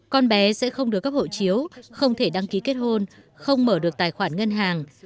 con bé sẽ không được cắp hộ chiếu không thể đăng ký kết hôn không mở được tài khoản ngân hàng về cơ bản nó không được thừa nhận